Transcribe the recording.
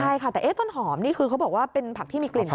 ใช่ค่ะแต่ต้นหอมนี่คือเขาบอกว่าเป็นผักที่มีกลิ่น